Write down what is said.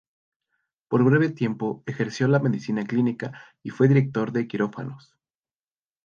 Por breve tiempo ejerció la medicina clínica y fue director de quirófanos.